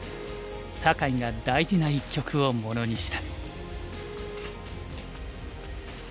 酒井が大事な一局を物にした。